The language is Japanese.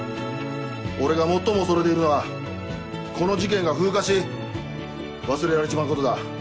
俺が最も恐れているのはこの事件が風化し忘れられちまうことだ。